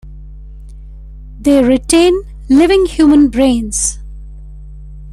They retain living human brains.